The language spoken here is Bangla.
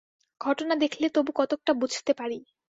ঘটনা দেখলে তবু কতকটা বুঝতে পারি।